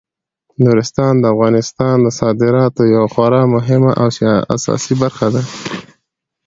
نورستان د افغانستان د صادراتو یوه خورا مهمه او اساسي برخه ده.